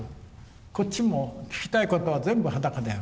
こっちも聞きたいことは全部裸で会う。